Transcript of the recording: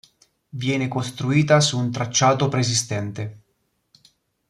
Venne costruita su un tracciato preesistente.